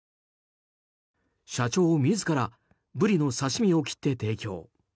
社長自らブリの刺し身を切って提供。